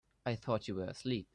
I thought you were asleep.